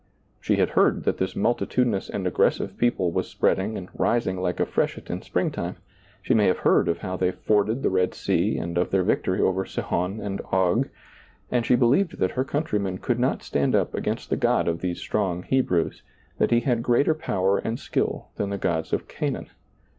She had heard that this multitudinous and aggressive people was spreading and rising like a freshet in spring time, she may have heard of how they forded the Red Sea and of their victory over Sihon and Og, and she beHeved that her country men could not stand up against the God of these strong Hebrews, that He had greater power and skill than the gods of Canaan.